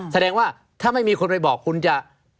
แสดงว่าถ้าไม่มีคนไปบอกคุณจะ